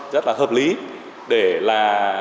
rất là hợp lý để là